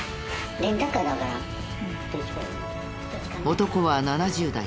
男は７０代。